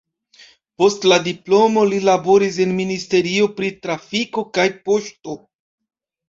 Post la diplomo li laboris en ministerio pri trafiko kaj poŝto.